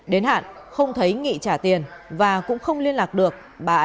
đến hạn không thấy nghị trả tiền và cũng không liên lạc được